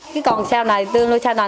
cái con sau này tôi nuôi sau này